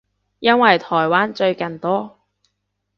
因為台灣最近多